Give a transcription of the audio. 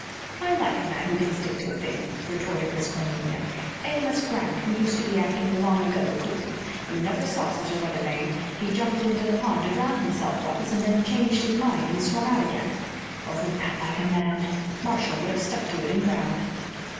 "I like a man who can stick to a thing," retorted Miss Cornelia. "Amos Grant, who used to be after me long ago, couldn't. You never saw such a weather vane. He jumped into the pond to drown himself once and then changed his mind and swum out again. Wasn't that like a man? Marshall would have stuck to it and drowned."